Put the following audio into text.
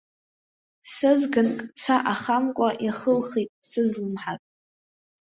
Сызганк цәа ахамкәа иахылхит, сызлымҳак.